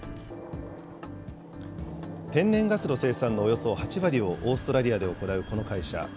天然ガスの生産のおよそ８割をオーストラリアで行うこの会社。